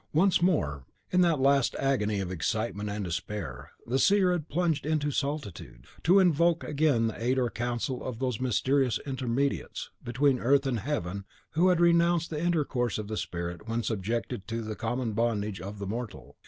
Once more, in that last agony of excitement and despair, the seer had plunged into solitude, to invoke again the aid or counsel of those mysterious intermediates between earth and heaven who had renounced the intercourse of the spirit when subjected to the common bondage of the mortal.